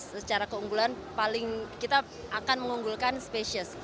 secara keunggulan paling kita akan mengunggulkan spesies